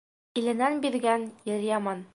Иленән биҙгән ир яман.